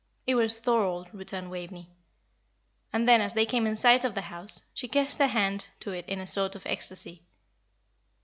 "It was Thorold," returned Waveney. And then, as they came in sight of the house, she kissed her hand to it in a sort of ecstasy.